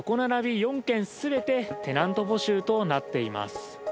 ４軒全てテナント募集となっています。